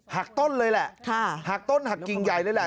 หักต้นเลยล่ะหักต้นหักกิงใหญ่เลยล่ะ